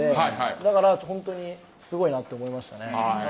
だから本当にすごいなと思いましたね。